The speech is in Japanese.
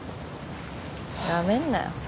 辞めんなよ。